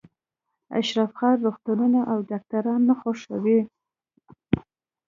اشرف خان روغتونونه او ډاکټران نه خوښوي